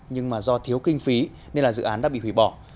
nhưng do thiếu kinh phí nên dự án đã bị hủy bỏ